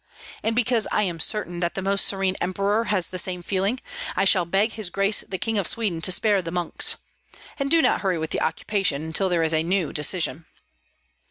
And because I am certain that the most serene emperor has the same feeling, I shall beg his Grace the King of Sweden to spare the monks. And do not hurry with the occupation until there is a new decision."